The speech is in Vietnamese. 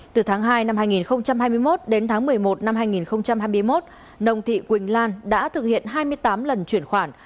từ tháng hai năm hai nghìn hai mươi một đến tháng một mươi một năm hai nghìn hai mươi một nông thị quỳnh lan đã thực hiện hai mươi tám lần chuyển khoản